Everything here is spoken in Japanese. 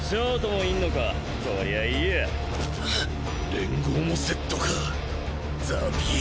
連合もセットか！